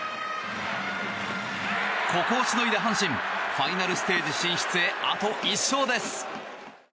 ここをしのいだ阪神ファイナルステージ進出へあと１勝です。